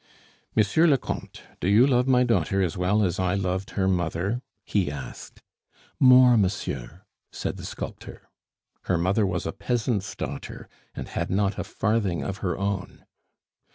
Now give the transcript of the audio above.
"Monsieur le Comte, do you love my daughter as well as I loved her mother?" he asked. "More, monsieur," said the sculptor. "Her mother was a peasant's daughter, and had not a farthing of her own."